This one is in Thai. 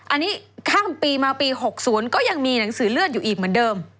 อันนี้ข้ามปีมาปี๖๐ก็ยังมีหนังสือเลื่อนอยู่อีกเหมือนเดิม